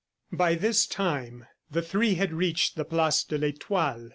By this time, the three had reached the place de l'Etoile.